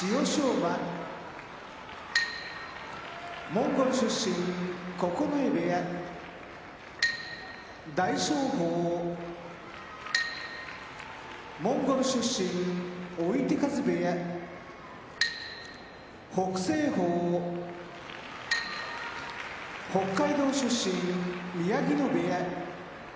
馬モンゴル出身九重部屋大翔鵬モンゴル出身追手風部屋北青鵬北海道出身宮城野部屋